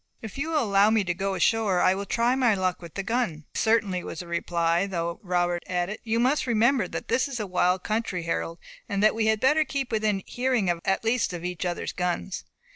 "If you will allow me to go ashore I will try my luck with the gun." "Certainly, certainly," was the reply; though Robert added, "You must remember that this is a wild country, Harold, and that we had better keep within hearing at least of each other's guns."